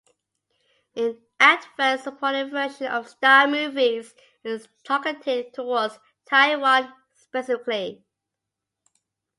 An advert-supported version of Star Movies is targeted towards Taiwan specifically.